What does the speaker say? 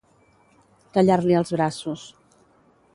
Tallar-li els braços.